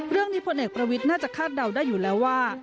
พลเอกประวิทย์น่าจะคาดเดาได้อยู่แล้วว่า